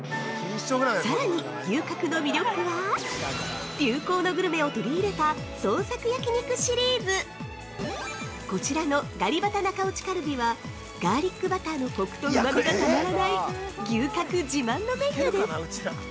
◆さらに牛角の魅力は流行のグルメを取り入れた「創作焼肉シリーズ」こちらの「ガリバタ中落ちカルビ」はガーリックバターのコクとうま味がたまらない牛角自慢のメニューです。